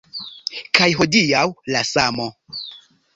Kaj hodiaŭ… la samo.